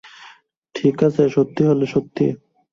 ঠিক আছে, সত্যি হলে সত্যি।